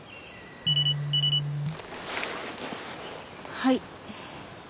はい。